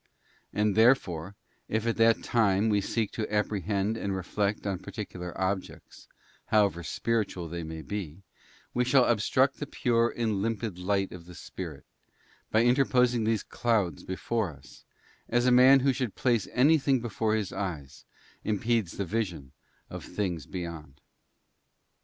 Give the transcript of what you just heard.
And therefore, if at that time we seek to apprehend and reflect on particular objects, however spiritual they may be, _ we shall obstruct the pure and limpid light of the Spirit, by _ interposing these clouds before us, as a man who should place _ anything before his eyes impedes the vision of things beyond.